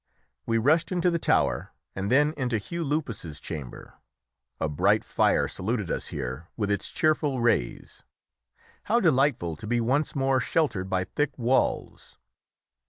We rushed into the tower and then into Hugh Lupus's chamber. A bright fire saluted us here with its cheerful rays; how delightful to be once more sheltered by thick walls!